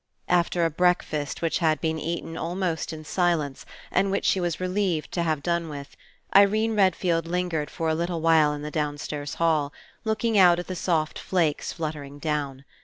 After a breakfast, which had been eaten almost in silence and which she was relieved to have done with, Irene Redfield lingered for a little while in the downstairs hall, looking out at the soft flakes fluttering down.